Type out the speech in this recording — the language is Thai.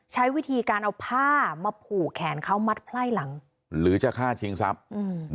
ใช้วิธีการเอาผ้ามาผูกแขนเขามัดไพ่หลังหรือจะฆ่าชิงทรัพย์อืม